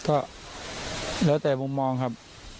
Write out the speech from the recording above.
ก็แล้วแต่มุมมองครับ